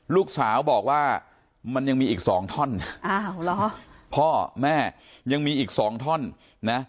ลูกสาวบอกว่ามันยังมีอีก๒ท่อนพ่อแม่ยังมีอีก๒ท่อน